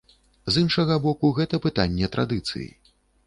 З іншага боку, гэта пытанне традыцыі.